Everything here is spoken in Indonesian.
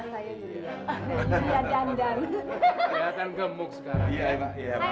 kelihatan gemuk sekarang